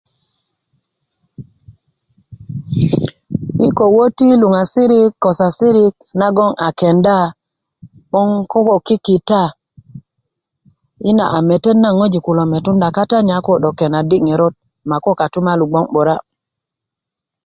yi' ko wöti luŋasirik ko sasirik nagoŋ kenda 'boŋ koko kikita yina a metet naŋ ŋolik kulo 'dok metunda kata ni a ko 'dok kenadi ŋerot ma ko kotumolu gboŋ 'bura'